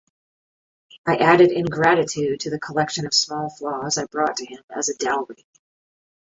I added ingratitude to the collection of small flaws I brought to him as a dowry.